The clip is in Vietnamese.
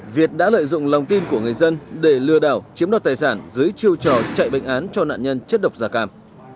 việt đã lợi dụng lòng tin của người dân để lừa đảo chiếm đoạt tài sản dưới chiêu trò chạy bệnh án cho nạn nhân chất độc da cam